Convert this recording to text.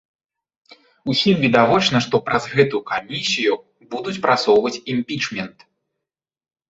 Усім відавочна, што праз гэту камісію будуць прасоўваць імпічмент.